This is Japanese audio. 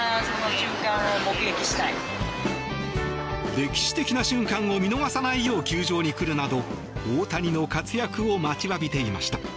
歴史的な瞬間を見逃さないよう球場に来るなど大谷の活躍を待ちわびていました。